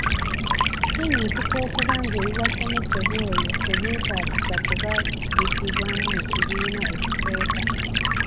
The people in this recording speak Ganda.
Kiyinzika okuba ng’ebibasomesebwa eyo tebyetaagisa kuba biddibwamu mu kibiina ekisooka.